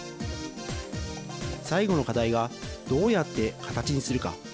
最後の課題がどうやって形にするか。